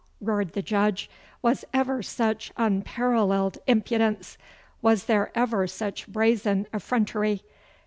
roared the Judge. 'Was ever such unparalleled impudence? Was there ever such brazen effrontery?